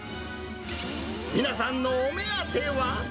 皆さんのお目当ては。